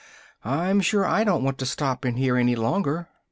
I'm sure I don't want to stop in here any longer!"